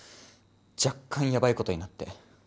若干ヤバいことになって。